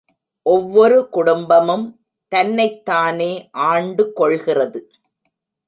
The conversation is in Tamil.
ஒவ்வொரு குடும்பமும் தன்னைத் தானே ஆண்டு கொள்கிறது.